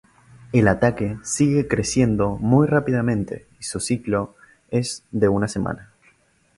El ataque sigue creciendo muy rápidamente y su ciclo es de una semana.